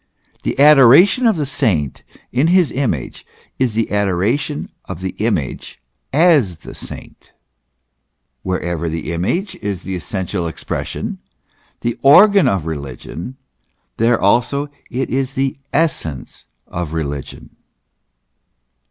The adora tion of the saint in his image, is the adoration of the image as the saint. Wherever the image is the essential expression, the organ of religion, there also it is the essence of religion.